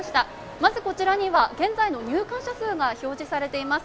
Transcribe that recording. まずこちらには現在の入館者数が表示されています。